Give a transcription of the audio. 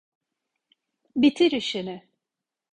Bitir işini.